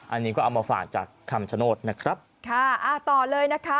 อันนี้ก็เอามาฝากจากคำชโนธนะครับค่ะอ่าต่อเลยนะคะ